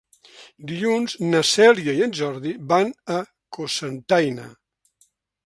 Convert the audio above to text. Dilluns na Cèlia i en Jordi van a Cocentaina.